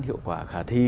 hiệu quả khả thi